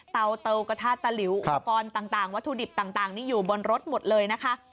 เตากระทะตะหลิวอุปกรณ์ต่างวัตถุดิบต่างนี่อยู่บนรถหมดเลยนะคะ